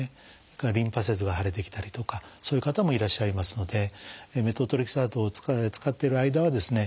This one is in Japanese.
それからリンパ節が腫れてきたりとかそういう方もいらっしゃいますのでメトトレキサートを使ってる間はですね